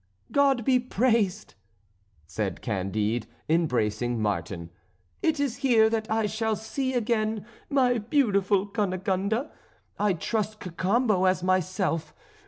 "God be praised!" said Candide, embracing Martin. "It is here that I shall see again my beautiful Cunegonde. I trust Cacambo as myself.